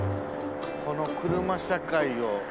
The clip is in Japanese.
この車社会を。